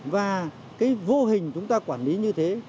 và cái vô hình chúng ta quản lý như thế